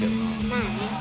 まあね